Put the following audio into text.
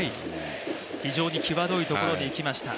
非常に際どいところにいきました。